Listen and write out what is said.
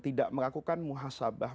tidak melakukan muha sabah